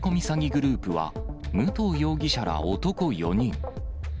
詐欺グループは、武藤容疑者ら男４人。